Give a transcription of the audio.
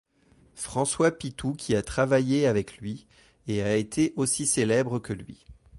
François Pithou qui a travaillé avec lui et a été aussi célèbre que lui.